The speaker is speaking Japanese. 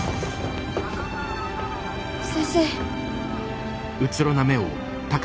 先生。